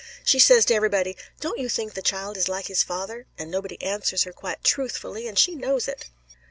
She says to everybody, 'Don't you think the child is like his father?' and nobody answers her quite truthfully, and she knows it."